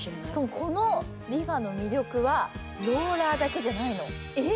しかもこのリファの魅力はローラーだけじゃないの。